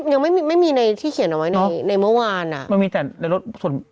ยังไม่มีในที่เขียนเอาไว้ในเมื่อวาน